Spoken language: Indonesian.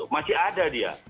masih ada dia